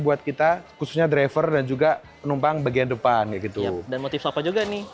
buat kita khususnya driver dan juga penumpang bagian depan gitu dan motif apa juga nih